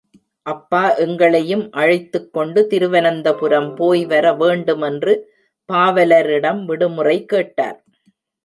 அப்பா எங்களையும் அழைத்துக் கொண்டு திருவனந்தபுரம் போய் வர வேண்டுமென்று பாவலரிடம் விடுமுறை கேட்டார்.